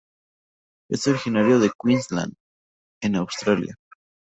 Es originario de Queensland en Australia.